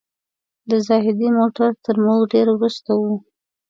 د زاهدي موټر تر موږ ډېر وروسته و.